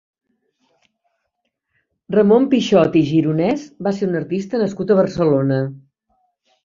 Ramon Pichot i Gironès va ser un artista nascut a Barcelona.